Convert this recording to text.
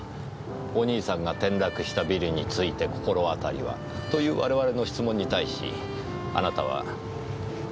「お兄さんが転落したビルについて心当たりは？」という我々の質問に対しあなたはこうおっしゃいました。